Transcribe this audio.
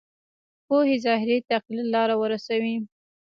پوهې ظاهري تقلید لاره ورسوي.